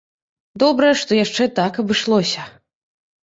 Добра, што яшчэ так абышлося.